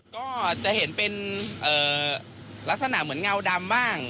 ก็จะเห็นเป็นลักษณะเหมือนเงาดำบ้าง